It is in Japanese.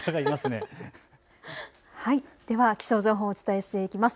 では気象情報をお伝えしていきます。